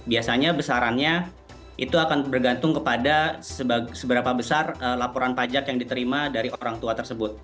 biasanya besarannya itu akan bergantung kepada seberapa besar laporan pajak yang diterima dari orang tua tersebut